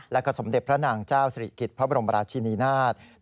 แล้วก็สมเด็จพระนางเจ้าสิริกิจพระบรมราชินีนาฏ